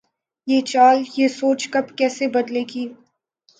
یہ چال، یہ سوچ کب‘ کیسے بدلے گی؟